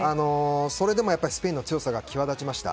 それでもスペインの強さが際立ちました。